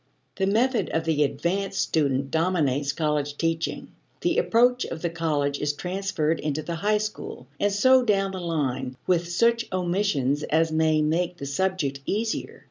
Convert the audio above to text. The method of the advanced student dominates college teaching; the approach of the college is transferred into the high school, and so down the line, with such omissions as may make the subject easier.